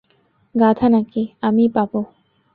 গাধা নাকি, আমিই পাব।